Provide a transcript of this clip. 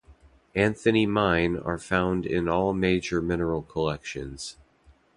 Anthony Mine are found in all major mineral collections.